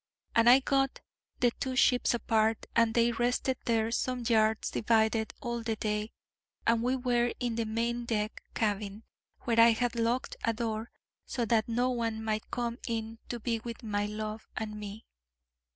And I got the two ships apart, and they rested there some yards divided all the day, and we were in the main deck cabin, where I had locked a door, so that no one might come in to be with my love and me.